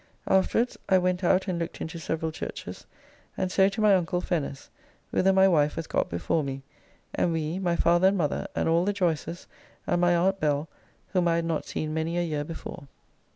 Afterwards I went out and looked into several churches, and so to my uncle Fenner's, whither my wife was got before me, and we, my father and mother, and all the Joyces, and my aunt Bell, whom I had not seen many a year before.